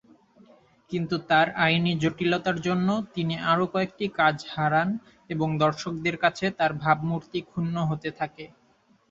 কিন্তু তার আইনি জটিলতার জন্য তিনি আরও কয়েকটি কাজ হারান এবং দর্শকদের কাছে তার ভাবমূর্তি ক্ষুণ্ণ হতে থাকে।